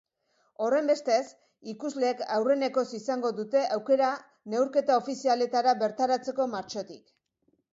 Horrenbestez, ikusleek aurrenekoz izango dute aukera neurketa ofizialetara bertaratzeko martxotik.